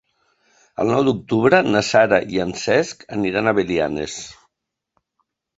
El nou d'octubre na Sara i en Cesc aniran a Belianes.